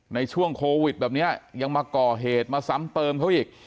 ในช่วงโควิดแบบนี้ยังมาก่อเหตุมาซ้ำเติมเขาอีก